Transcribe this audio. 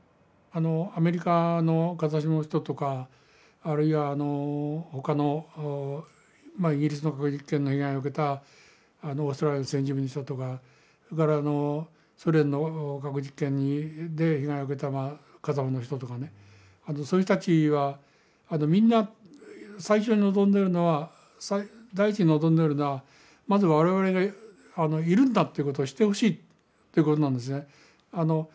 アメリカの風下の人とかあるいは他のイギリスの核実験の被害を受けたオーストラリアの先住民の人とかそれからソ連の核実験で被害を受けたカザフの人とかねそういう人たちはみんな最初に望んでるのは第一に望んでいるのはまず我々がいるんだってことを知ってほしいってことなんですね。